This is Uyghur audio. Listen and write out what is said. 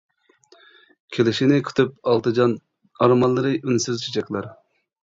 كېلىشىنى كۈتۈپ ئالتە جان، ئارمانلىرى ئۈنسىز چېچەكلەر.